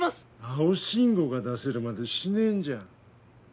青信号が出せるまで死ねんじゃん。